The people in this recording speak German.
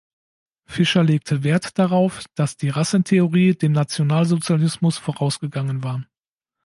Fischer legte Wert darauf, dass die Rassentheorie dem Nationalsozialismus vorausgegangen war.